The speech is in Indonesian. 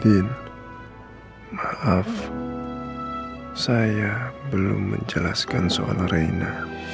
bin maaf saya belum menjelaskan soal reina